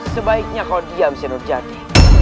sebaiknya kau diam senur jati